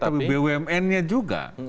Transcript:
tapi bumn nya juga